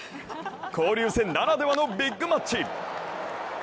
交流戦ならではのビッグマッチ。